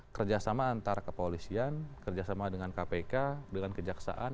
kerjasama antara kepolisian kerjasama dengan kpk dengan kejaksaan